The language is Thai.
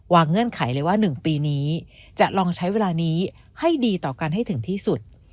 เงื่อนไขเลยว่า๑ปีนี้จะลองใช้เวลานี้ให้ดีต่อกันให้ถึงที่สุด